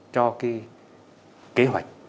cho kế hoạch